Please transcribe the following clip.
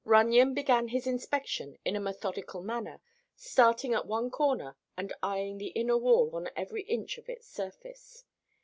Runyon began his inspection in a methodical manner, starting at one corner and eyeing the inner wall on every inch of its surface.